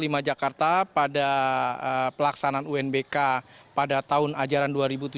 sma negeri empat puluh lima jakarta pada pelaksanaan unbk pada tahun ajaran dua ribu tujuh belas dua ribu delapan belas